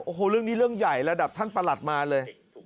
โอ้โหเรื่องนี้เรื่องใหญ่ระดับท่านประหลัดมาเลย